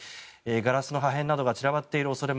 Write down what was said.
ガラスの破片などが散らばっています。